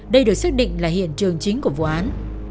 đây được xác định là hiện trường chính của vụ án